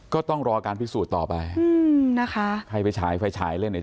ก็ต้องรอการพิสูจน์ต่อไปใครไปฉายไฟฉายเลย